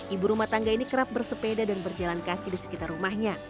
ibu rumah tangga ini kerap bersepeda dan berjalan kaki di sekitar rumahnya